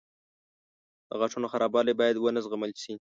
• د غاښونو خرابوالی باید ونه زغمل شي.